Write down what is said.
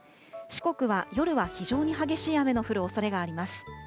四国は夜は非常に激しい雨の降るおそれがあります。